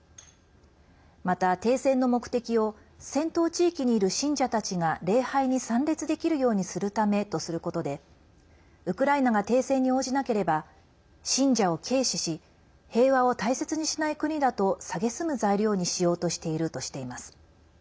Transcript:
また、停戦の目的を戦闘地域にいる信者たちが礼拝に参列できるようにするためとすることでウクライナが停戦に応じなければ信者を軽視し平和を大切にしない国だとさげすむ材料にしようとしているとしています。